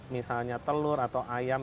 misalnya telur atau ayam